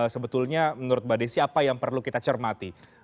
sebetulnya menurut mbak desi apa yang perlu kita cermati